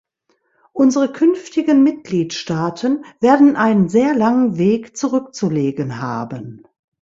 Unsere künftigen Mitgliedstaaten werden einen sehr langen Weg zurückzulegen haben.